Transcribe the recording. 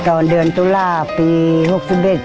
ตอนเดือนตุลาปี๖๑ปี